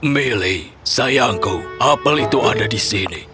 melly sayangku apel itu ada di sini